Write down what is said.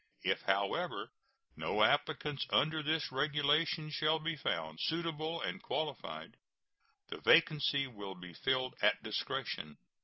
If, however, no applicants under this regulation shall be found suitable and qualified, the vacancy will be filled at discretion.